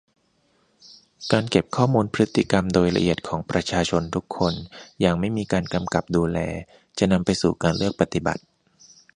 การเก็บข้อมูลพฤติกรรมโดยละเอียดของประชาชนทุกคนอย่างไม่มีการกำกับดูแล จะนำไปสู่การเลือกปฏิบัติ